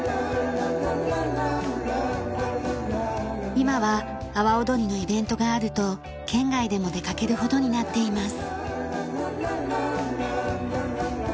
今は阿波踊りのイベントがあると県外でも出かけるほどになっています。